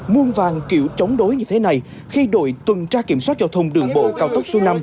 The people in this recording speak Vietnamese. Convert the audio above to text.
muôn vàng kiểu chống đối như thế này khi đội tuần tra kiểm soát giao thông đường bộ cao tốc số năm